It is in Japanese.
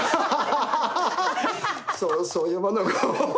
そういうものを。